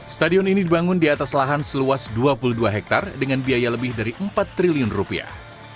stadion ini dibangun di atas lahan seluas dua puluh dua hektare dengan biaya lebih dari empat triliun rupiah